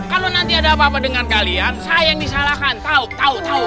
kalo nanti ada apa apa dengan kalian saya yang disalahkan tau tau tau